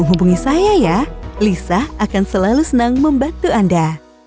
menghubungi saya ya lisa akan selalu senang membantu anda